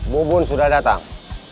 bubun sudah datang